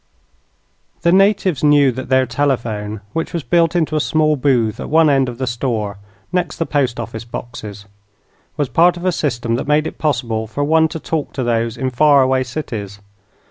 The natives knew that their telephone, which was built into a small booth at one end of the store next the post office boxes was part of a system that made it possible for one to talk to those in far away cities.